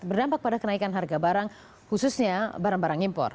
berdampak pada kenaikan harga barang khususnya barang barang impor